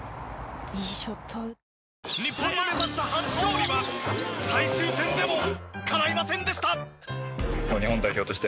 日本の目指した初勝利は最終戦でもかないませんでした。